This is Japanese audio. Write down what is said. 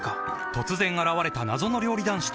突然現れた謎の料理男子と